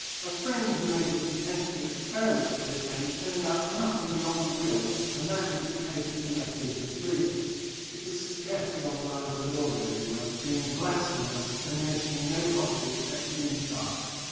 A friend who made a few tentative experiments to this end turned out nothing beyond a will, and that he dictated and left incomplete. (It was scarcely on the lines of an ordinary will, being blasphemous, and mentioning no property except his inside.)